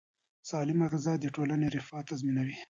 سالمه غذا د ټولنې رفاه تضمینوي.